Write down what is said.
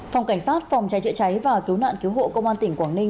phòng cảnh sát phòng trái trịa trái và cứu nạn cứu hộ công an tỉnh quảng ninh